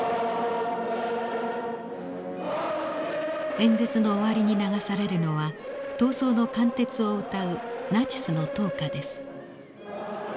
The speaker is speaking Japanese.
演説の終わりに流されるのは闘争の貫徹をうたうナチスの党歌です。